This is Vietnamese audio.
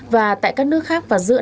và tại các nước khác vào giữa